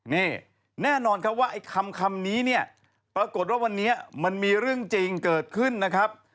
นี่แน่นอนครับว่าไอ้คำนี้เนี่ยปรากฏว่าวันนี้มันมีเรื่องจริงเกิดขึ้นนะครับ